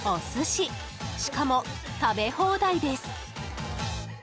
しかも食べ放題です。